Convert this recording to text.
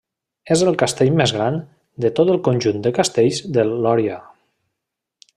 És el castell més gran de tot el conjunt de castells del Loira.